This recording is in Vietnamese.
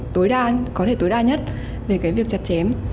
tối đa có thể tối đa nhất về cái việc chặt chém